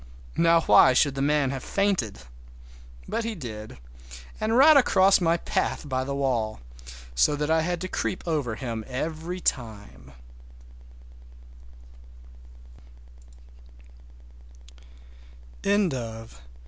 Now why should that man have fainted? But he did, and right across my path by the wall, so that I had to creep over him every time!